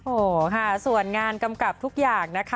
โอ้โหค่ะส่วนงานกำกับทุกอย่างนะคะ